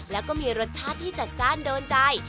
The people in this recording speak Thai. แล้วก็มีรสชาติที่จัดจ้านโดนใจ